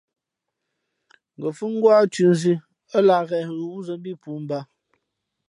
Ngα̌ fhʉ̄ ngwá thʉ̌ nzʉ̄, ά lǎh ghěn ghʉ wúzᾱ mbí pōō mbǎ.